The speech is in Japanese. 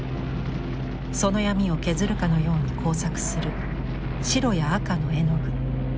その闇を削るかのように交錯する白や赤の絵の具。